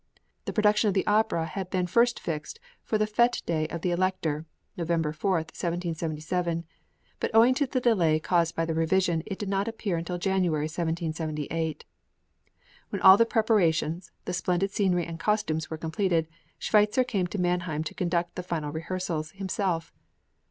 The production of the opera had been first fixed for the fête day of the Elector (November 4, 1777), but owing to the delay caused by the revision it did not appear until January, 1778. When all the preparations, the splendid scenery and costumes were completed, Schweitzer came to Mannheim to conduct the final rehearsals himself.